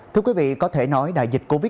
thưa quý vị có thể nói đại dịch covid một mươi